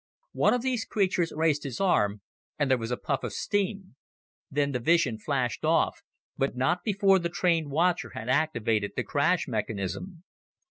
One of these creatures raised his arm and there was a puff of steam. Then the vision flashed off, but not before the trained watcher had activated the crash mechanism.